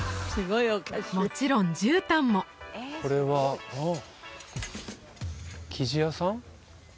もちろんじゅうたんもこれは生地屋さん？